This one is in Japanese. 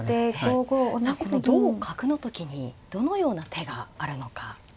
さあこの同角の時にどのような手があるのか。